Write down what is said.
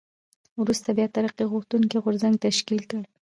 وروسته بیا ترقي غوښتونکی غورځنګ تشکیل کړ.